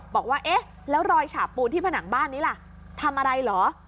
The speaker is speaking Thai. บอกว่าเอ๊ะแล้วรอยฉาบปูนที่ผนังบ้านนี้ล่ะทำอะไรเหรอ